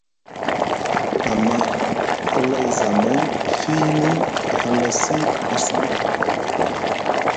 Amma hlay zamay, fiini a halasi a sumaŋ,